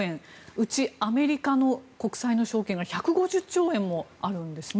うちアメリカの国債の証券が１５０兆円あるんですね。